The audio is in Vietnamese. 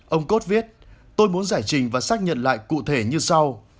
ông kos viết tôi muốn giải trình và xác nhận lại cụ thể như sau